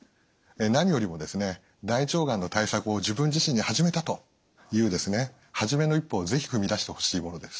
何よりも大腸がんの対策を自分自身で始めたというですね初めの一歩を是非踏み出してほしいものです。